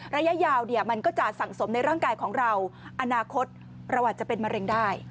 ระยะยาวมันก็จะสังสมในร่างกายของเราอนาคตประวัติจะเป็นมะเร็งได้